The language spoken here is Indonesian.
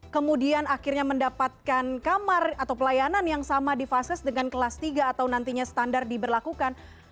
kemudian akhirnya mendapatkan kamar atau pelayanan yang sama di fases dengan kelas tiga atau nantinya standar diberlakukan